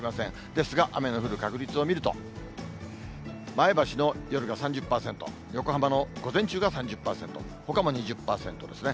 ですが雨の降る確率を見ると、前橋の夜が３０％、横浜の午前中が３０％、ほかも２０％ですね。